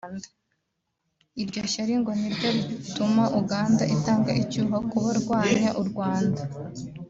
Iryo shyari ngo niryo rituma Uganda itanga icyuho ku barwanya u Rwanda